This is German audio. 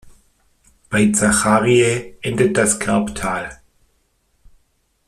Bei Zachariae endet das Kerbtal.